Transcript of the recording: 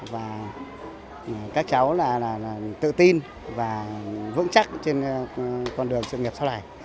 và các cháu là tự tin và vững chắc trên con đường sự nghiệp sau này